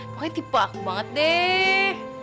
pokoknya tipe aku banget deh